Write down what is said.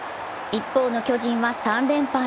一方の巨人は３連敗。